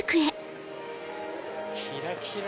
キラキラ！